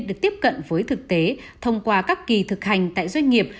được tiếp cận với thực tế thông qua các kỳ thực hành tại doanh nghiệp